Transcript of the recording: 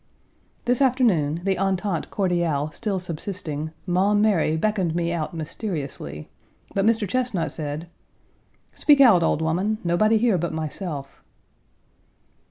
This afternoon, the entente cordiale still subsisting, Maum Mary beckoned me out mysteriously, but Mr. Chesnut said: "Speak out, old woman; nobody here but myself."